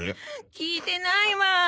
聞いてないわ。